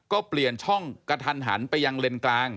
ก็เปลี่ยนช่องกระทันหันไปยังเลนกลาง